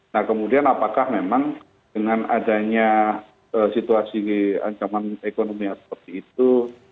nah kemudian apakah memang dengan adanya situasi ancaman ekonomi yang seperti itu